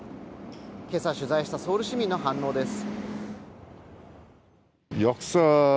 今朝取材したソウル市民の反応です。